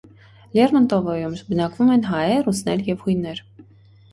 Լերմոնտովոյում բնակվում են հայեր, ռուսներ և հույներ։